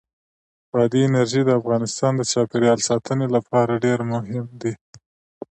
بادي انرژي د افغانستان د چاپیریال ساتنې لپاره ډېر مهم دي.